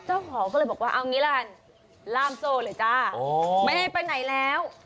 เจ้าของก็เลยบอกว่าเอางี้ละกันล่ามโซ่เลยจ้าไม่ได้ไปไหนแล้ว